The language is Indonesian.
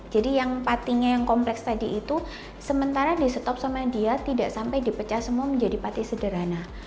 jadi yang patinya yang kompleks tadi itu sementara di stop sama dia tidak sampai di pecah semua menjadi pati sederhana